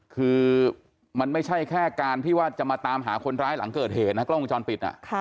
คือมันไม่ใช่แค่การที่ว่าจะมาตามหาคนร้ายหลังเกิดเหตุนะกล้องวงจรปิด